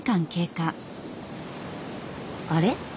あれ？